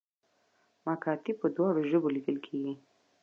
مکاتیب په دواړو ژبو لیکل کیږي